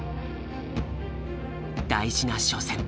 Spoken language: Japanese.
大事な初戦。